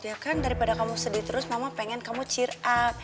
ya kan daripada kamu sedih terus mama pengen kamu cheer a